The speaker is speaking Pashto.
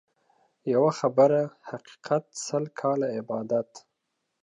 يوه خبره حقيقت ، سل کاله عبادت.